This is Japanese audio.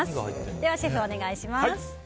ではシェフ、お願いします。